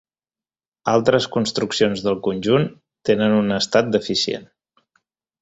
Altres construccions del conjunt, tenen un estat deficient.